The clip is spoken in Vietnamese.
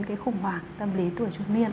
cái khủng hoảng tâm lý tuổi trung niên